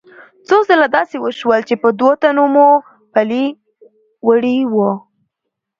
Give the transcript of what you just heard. څو ځله داسې وشول چې په دوو تنو مو پلي وړي وو.